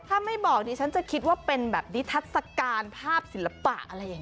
ถ้าไม่บอกดิฉันจะคิดว่าเป็นแบบนิทัศกาลภาพศิลปะอะไรอย่างนี้